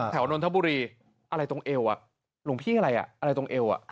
นนทบุรีอะไรตรงเอวหลวงพี่อะไรอ่ะอะไรตรงเอว